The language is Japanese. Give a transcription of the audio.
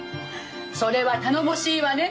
それは頼もしいわね。